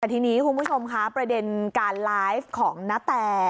แต่ทีนี้คุณผู้ชมคะประเด็นการไลฟ์ของณแต